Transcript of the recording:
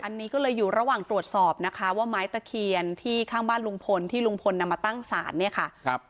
อันนี้ก็เลยอยู่ระหว่างตรวจสอบนะคะว่าไม้ตะเคียนที่ข้างบ้านลุงพลที่ลุงพลนำมาตั้งศาลเนี่ยค่ะ